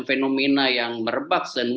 fenomena yang merebak dan